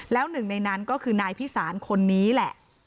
แล้วหนึ่งในนั้นก็คือนายพิสารคนนี้แหละ